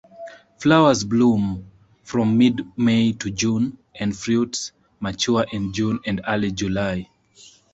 Flowers bloom from mid-May to June, and fruits mature in June and early July.